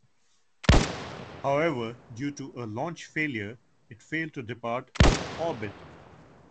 However, due to a launch failure, it failed to depart Earth orbit.